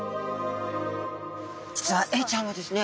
実はエイちゃんはですね